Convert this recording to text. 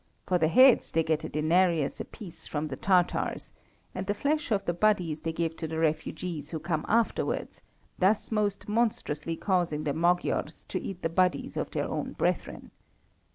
For the heads they get a denarius a piece from the Tatars, and the flesh of the bodies they give to the refugees who come afterwards, thus most monstrously causing the Magyars to eat the bodies of their own brethren.